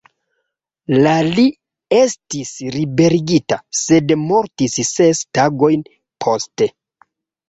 La li estis liberigita, sed mortis ses tagojn poste.